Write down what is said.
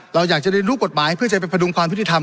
เราอยากจะเรียนรู้กฎหมายเพื่อจะไปพดุงความยุติธรรม